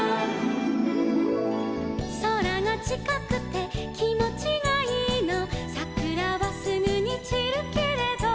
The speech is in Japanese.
「空がちかくてきもちがいいの」「さくらはすぐに散るけれど」